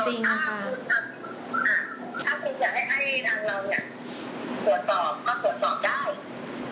อันนี้คุณจะต้องแจ้งพยาบาลเพื่อจะรับหมายศัพท์ของคุณ